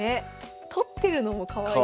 取ってるのもかわいいし。